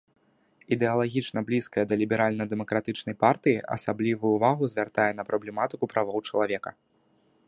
Ідэалагічна блізкая да ліберальна-дэмакратычнай партыі, асаблівую ўвагу звяртае на праблематыку правоў чалавека.